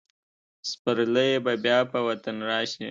سپرلی به بیا په وطن راشي.